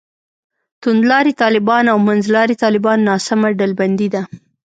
توندلاري طالبان او منځلاري طالبان ناسمه ډلبندي ده.